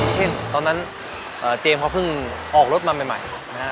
เช่นตอนนั้นเจมส์เขาเพิ่งออกรถมาใหม่นะฮะ